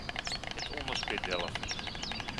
Het onderspit delven.